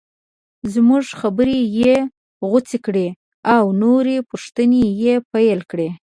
زموږ خبرې یې غوڅې کړې او نورې پوښتنې یې پیل کړې.